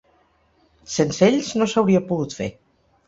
Sense ells no s’hauria pogut fer.